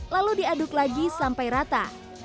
lalu diaduk lagi sampai rata